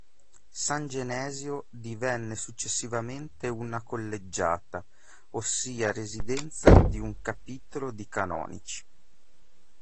San Genesio divenne successivamente una collegiata, ossia residenza di un capitolo di canonici.